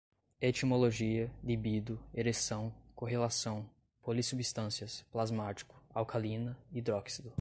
etimologia, libido, ereção, correlação, polissubstâncias, plasmático, alcalina, hidróxido